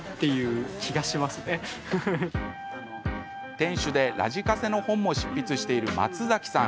店主で、ラジカセの本も執筆している松崎さん。